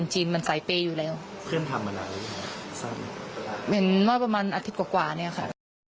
เห็นว่าประมาณอาทิตย์กว่านี้ค่ะ